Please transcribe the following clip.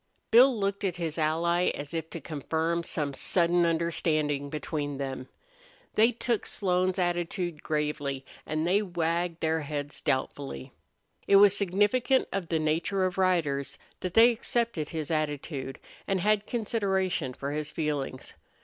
Bill looked at his ally as if to confirm some sudden understanding between them. They took Slone's attitude gravely and they wagged their heads doubtfully. ... It was significant of the nature of riders that they accepted his attitude and had consideration for his feelings.